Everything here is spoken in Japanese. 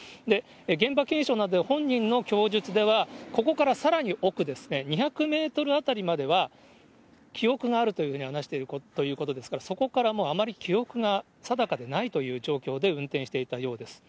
現場検証などで、本人の供述では、ここからさらに奥ですね、２００メートル辺りまでは、記憶があるというふうに話しているということですが、そこからもうあまり記憶が定かでないという状況で運転していたようです。